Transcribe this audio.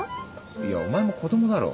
いやお前も子供だろ。